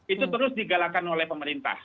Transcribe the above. itu terus digalakan oleh pemerintah